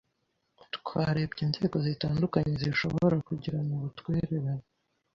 twarebye inzego zitandukanye zishobora kugirana ubutwererane